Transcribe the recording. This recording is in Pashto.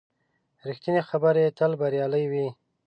ریښتینې خبرې تل بریالۍ وي.